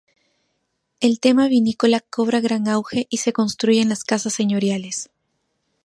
El tema vinícola cobra gran auge y se construyen las casas señoriales.